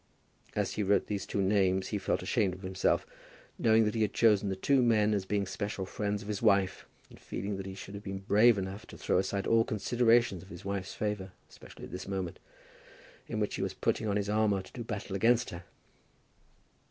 As he wrote these two names he felt ashamed of himself, knowing that he had chosen the two men as being special friends of his wife, and feeling that he should have been brave enough to throw aside all considerations of his wife's favour, especially at this moment, in which he was putting on his armour to do battle against her.